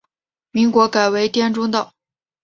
民国改为滇中道。